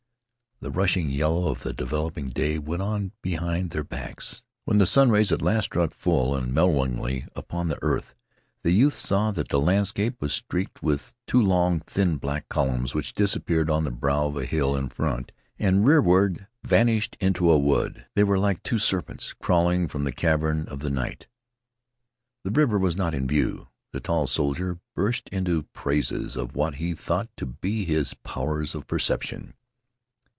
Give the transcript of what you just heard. The rushing yellow of the developing day went on behind their backs. When the sunrays at last struck full and mellowingly upon the earth, the youth saw that the landscape was streaked with two long, thin, black columns which disappeared on the brow of a hill in front and rearward vanished in a wood. They were like two serpents crawling from the cavern of the night. The river was not in view. The tall soldier burst into praises of what he thought to be his powers of perception.